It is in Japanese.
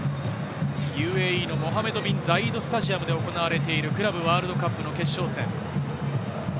ＵＡＥのモハメド・ビン・ザイードスタジアムで行われているクラブワールドカップの決勝戦。